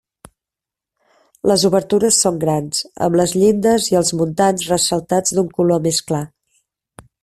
Les obertures són grans, amb les llindes i els muntants ressaltats d'un color més clar.